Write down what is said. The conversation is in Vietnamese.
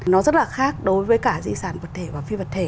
nó rất là khác đối với cả di sản vật thể và phi vật thể